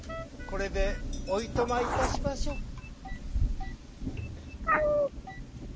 これでおいとまいたしましょう」。